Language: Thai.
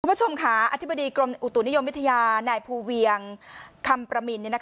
คุณผู้ชมค่ะอธิบดีกรมอุตุนิยมวิทยานายภูเวียงคำประมิน